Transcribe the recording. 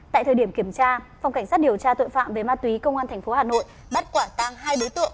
tại thời điểm kiểm tra phòng cảnh sát điều tra tội phạm về ma túy công an tp hà nội bắt quả tang hai đối tượng